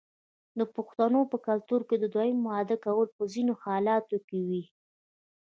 د پښتنو په کلتور کې د دویم واده کول په ځینو حالاتو کې وي.